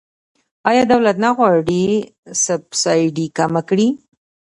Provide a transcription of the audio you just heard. آیا دولت نه غواړي سبسایډي کمه کړي؟